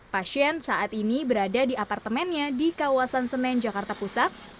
pasien saat ini berada di apartemennya di kawasan senen jakarta pusat